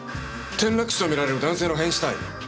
転落死と見られる男性の変死体。